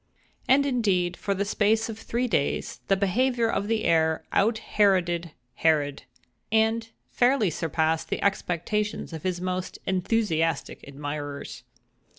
And, indeed, for the space of three days, the behavior of the heir out Heroded Herod, and fairly surpassed the expectations of his most enthusiastic admirers.